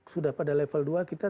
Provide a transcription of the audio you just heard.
sudah pada level dua kita